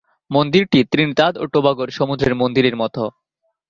মন্দিরটি ত্রিনিদাদ ও টোবাগোর সমুদ্রের মন্দিরের মতো।